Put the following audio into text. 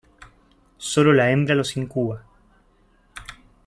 Sólo la hembra los incuba.